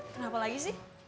kenapa lagi sih